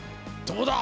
どうだ？